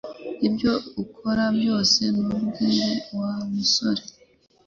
Ibyo ukora byose ntubwire Wa musore